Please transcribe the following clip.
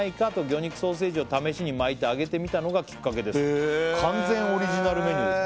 「魚肉ソーセージを試しに巻いて揚げてみたのがきっかけです」へえ完全オリジナルメニュー「